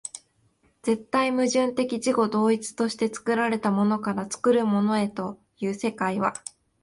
絶対矛盾的自己同一として作られたものから作るものへという世界は、